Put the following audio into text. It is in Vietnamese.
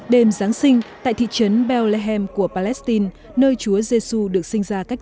đêm giáng sinh tại thị trấn bethlehem của palestine nơi chúa giê xu được sinh ra cách